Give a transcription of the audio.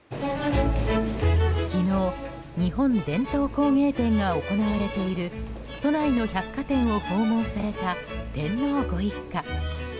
昨日、日本伝統工芸展が行われている都内の百貨店を訪問された天皇ご一家。